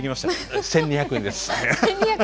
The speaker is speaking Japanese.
１，２００円です。